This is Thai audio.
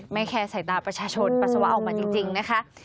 แคร์ใส่ตาประชาชนปัสสาวะออกมาจริงนะคะ